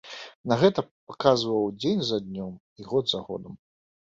На гэта паказваў дзень за днём і год за годам.